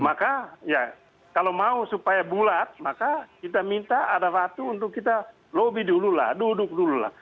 maka ya kalau mau supaya bulat maka kita minta ada waktu untuk kita lobby dululah duduk dululah